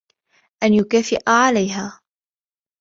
أَنْ يُكَافِئَ عَلَيْهَا